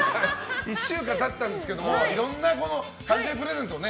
１週間経ったんですけどいろんな誕生日プレゼントをね。